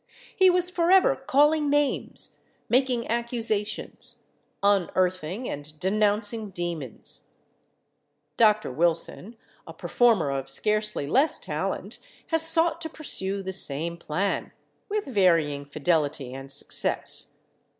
He was forever calling names, making accusations, unearthing and denouncing demons. Dr. Wilson, a performer of scarcely less talent, has sought to pursue the same plan, with varying fidelity and success.